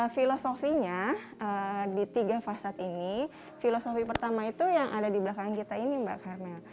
filosofinya di tiga fasad ini filosofi pertama itu yang ada di belakang kita ini mbak karmel